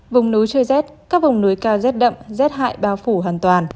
vùng núi trời rét các vùng núi cao rét đậm rét hại bao phủ hoàn toàn